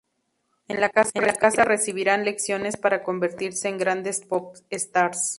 En la casa recibirán lecciones para convertirse en grandes pop stars.